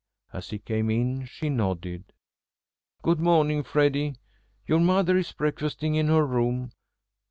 As he came in she nodded. "Good morning, Freddy. Your mother is breakfasting in her room.